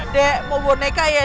dek mau bonekanya ya